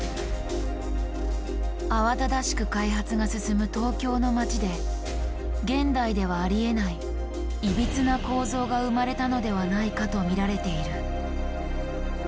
慌ただしく開発が進む東京の街で現代ではありえない「いびつな構造」が生まれたのではないかと見られている。